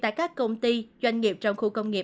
tại các công ty doanh nghiệp trong khu công nghiệp